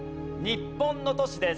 日本の都市です。